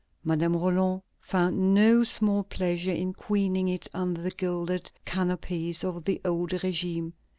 Madame Roland found no small pleasure in queening it under the gilded canopies of the old régime.